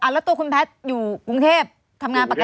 แล้วตัวคุณแพทย์อยู่กรุงเทพทำงานปกติ